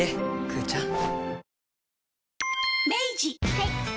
はい。